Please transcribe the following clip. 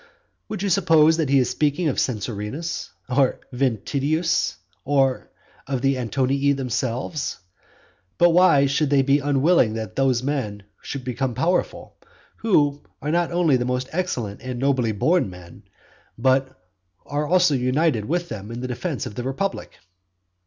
Would you suppose that he is speaking of Censorinus, or of Ventidius, or of the Antonii themselves. But why should they be unwilling that those men should become powerful, who are not only most excellent and nobly born men, but who are also united with them in the defence of the republic?